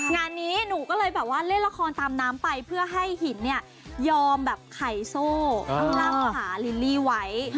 งานนี้หนูก็เลยแบบว่าเล่นละครตามน้ำไปเพื่อให้หินเนี่ยยอมแบบไข่โซ่ล่ำขาลิลลี่ไว้